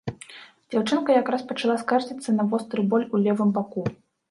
Дзяўчынка якраз пачала скардзіцца на востры боль у левым баку.